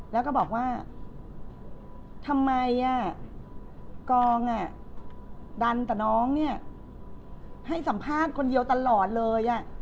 แล้วก็บอกว่าทำไมกองดันแต่น้องเนี่ยให้สัมภาษณ์คนเดียวตลอดเลย